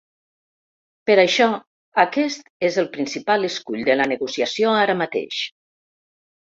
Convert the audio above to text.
Per això aquest és el principal escull de la negociació, ara mateix.